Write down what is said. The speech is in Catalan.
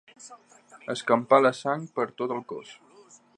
Escampar la sang per tot el cos.